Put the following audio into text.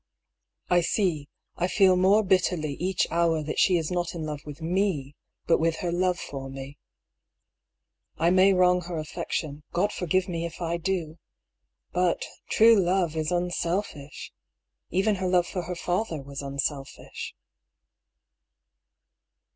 I see, I feel more bitterly each hour that she is not in love with me^ but with her love for me. I may wrong her affection : God forgive me if I do I But true love is unselfish. Even her love for her father was unselfish.